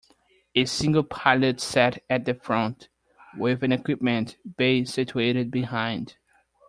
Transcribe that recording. A single pilot sat at the front, with an equipment bay situated behind.